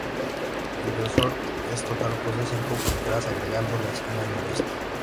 El resort en total posee cinco fronteras, agregando la esquina noroeste.